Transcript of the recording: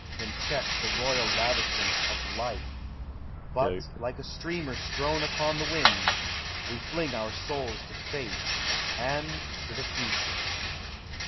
Can check the royal lavishment of life; But, like a streamer strown upon the wind, We fling our souls to fate and to the future.